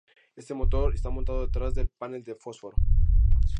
Este motor está montado detrás del panel de fósforo.